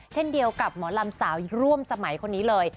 เช่นเดียวกับหมอลำสาวร่วมสมัยคนนี้เลย